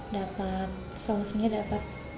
dapat solusinya dapat